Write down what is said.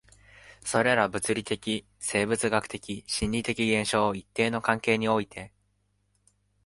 それら物理的、生物学的、心理的現象を一定の関係において